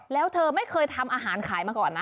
แล้วเธอไม่เคยทำอาหารขายมาก่อนนะ